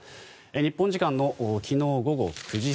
日本時間の昨日午後９時